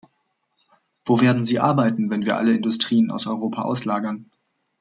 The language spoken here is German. Wo werden sie arbeiten, wenn wir alle Industrien aus Europa auslagern?